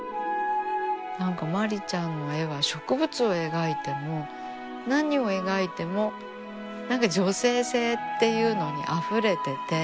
何かまりちゃんの絵は植物を描いても何を描いても何か「女性性」っていうのにあふれてて。